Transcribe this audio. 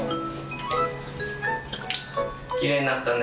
きれいになったね。